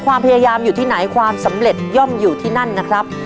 ความพยายามอยู่ที่ไหนความสำเร็จย่อมอยู่ที่นั่นนะครับ